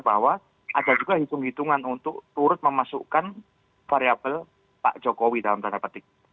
bahwa ada juga hitung hitungan untuk turut memasukkan variable pak jokowi dalam tanda petik